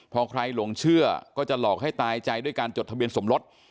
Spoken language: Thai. พอใครหลงเชื่อก็จะหลอกให้ตายใจด้วยการจดทะเบียนสมรส